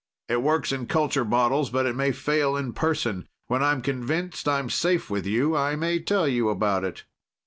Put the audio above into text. It works in culture bottles, but it may fail in person. When I'm convinced I'm safe with you, I may tell you about it."